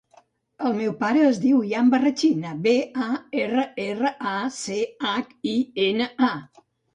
El meu pare es diu Ian Barrachina: be, a, erra, erra, a, ce, hac, i, ena, a.